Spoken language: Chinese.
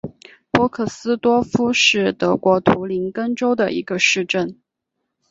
波克斯多夫是德国图林根州的一个市镇。